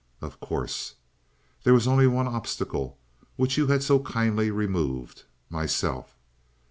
"Of course." "There was only one obstacle which you had so kindly removed myself."